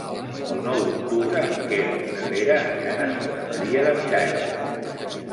El nou d'octubre en Quer i na Vera aniran a Santa Maria de Miralles.